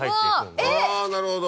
あなるほど。